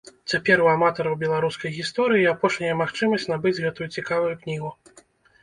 Цяпер у аматараў беларускай гісторыі апошняя магчымасць набыць гэтую цікавую кнігу.